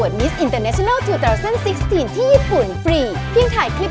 สวัสดีครับ